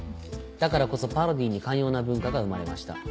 だからこそパロディーに寛容な文化が生まれました。